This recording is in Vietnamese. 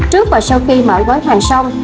trước và sau khi mở gói hàng xong